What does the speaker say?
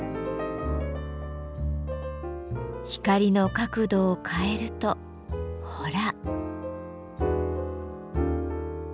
光の角度を変えるとほら。